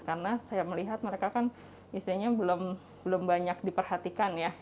karena saya melihat mereka kan istilahnya belum banyak diperhatikan ya